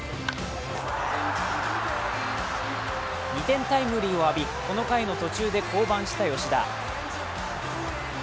２点タイムリーを浴びこの回の途中で降板した吉田。